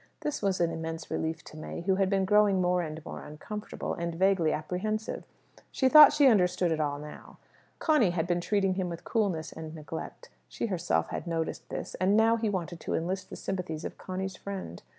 This was an immense relief to May who had been growing more and more uncomfortable, and vaguely apprehensive. She thought she understood it all now. Conny had been treating him with coolness and neglect. She herself had noticed this, and now he wanted to enlist the sympathies of Conny's friend.